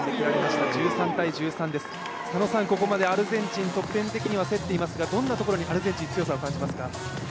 ここまでアルゼンチン得点的には競っていますがどんなところにアルゼンチンの強さを感じますか？